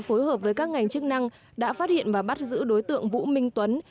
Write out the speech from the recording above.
phối hợp với các ngành chức năng đã phát hiện và bắt giữ đối tượng vũ minh tuấn